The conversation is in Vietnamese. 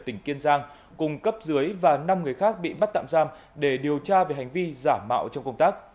tỉnh kiên giang cùng cấp dưới và năm người khác bị bắt tạm giam để điều tra về hành vi giả mạo trong công tác